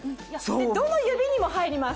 どの指にも入ります。